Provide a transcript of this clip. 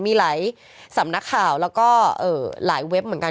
มีหลายสำนักข่าวแล้วก็หลายเว็บเหมือนกัน